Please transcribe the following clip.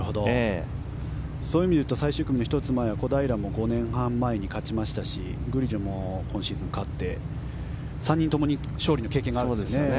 そういう意味で最終組の１つ前で小平も５年前に勝ちましたしグリジョも今シーズン勝って３人ともに勝利の経験があるんですかね。